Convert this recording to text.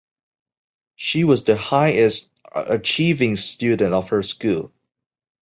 She was the highest achieving student of her school.